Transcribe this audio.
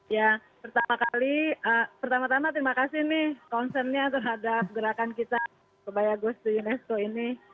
ya pertama kali pertama tama terima kasih nih concernnya terhadap gerakan kita kebaya gus to unesco ini